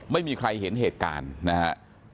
ไม่มีใครเห็นเหตุการณ์นะฮะ